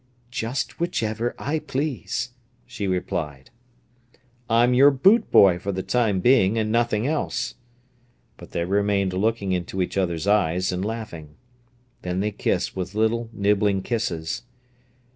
"Just whichever I please," she replied. "I'm your boot boy for the time being, and nothing else!" But they remained looking into each other's eyes and laughing. Then they kissed with little nibbling kisses.